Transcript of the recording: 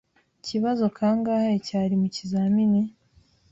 Ikibazo kangahe cyari mukizamini?